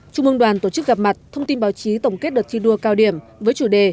trung ương đoàn tổ chức gặp mặt thông tin báo chí tổng kết đợt thi đua cao điểm với chủ đề